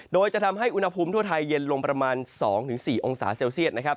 โดยจะทำให้อุณหภูมิทั่วไทยเย็นลงประมาณ๒๔องศาเซลเซียตนะครับ